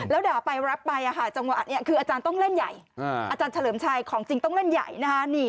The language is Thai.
แล้วด่าไปรับไปจังหวะนี้คืออาจารย์ต้องเล่นใหญ่อาจารย์เฉลิมชัยของจริงต้องเล่นใหญ่นะฮะ